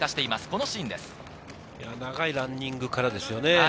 長いランニングからですよね。